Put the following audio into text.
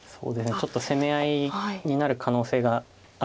ちょっと攻め合いになる可能性があるので。